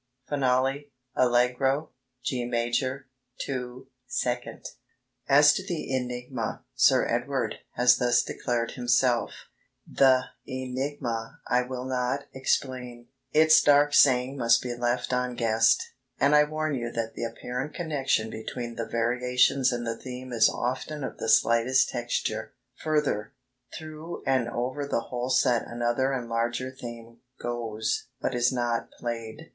Finale, Allegro, G major, 2 2. As to the "Enigma," Sir Edward has thus declared himself: "The Enigma I will not explain its 'dark saying' must be left unguessed, and I warn you that the apparent connection between the Variations and the theme is often of the slightest texture; further, through and over the whole set another and larger theme 'goes,' but is not played